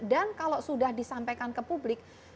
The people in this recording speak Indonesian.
dan kalau sudah disampaikan ke publik